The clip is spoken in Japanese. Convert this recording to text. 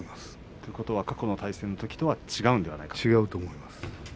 ということは過去の対戦のときとは違うのではないかと。